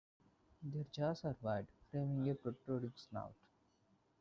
Their jaws are wide, framing a protruding snout.